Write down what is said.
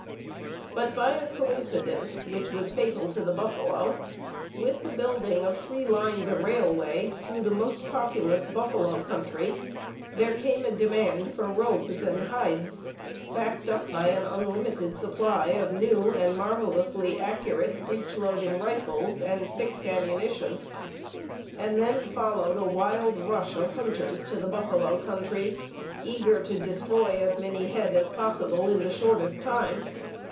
But by a coincidence which was fatal to the buffalo, with the building of three lines of railway through the most populous buffalo country there came a demand for robes and hides, backed up by an unlimited supply of new and marvellously accurate breech loading rifles and fixed ammunition. And then followed a wild rush of hunters to the buffalo country, eager to destroy as many head as possible in the shortest time.